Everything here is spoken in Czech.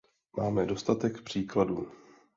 Máme dostatek příkladů.